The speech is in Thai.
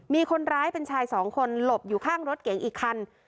มีคนร้ายเป็นชายสองคนหลบอยู่ข้างรถเก๋งอีกคัน